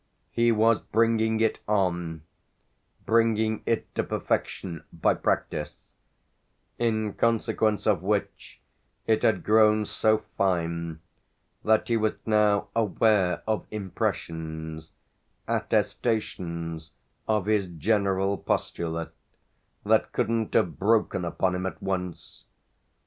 He was bringing it on, bringing it to perfection, by practice; in consequence of which it had grown so fine that he was now aware of impressions, attestations of his general postulate, that couldn't have broken upon him at once.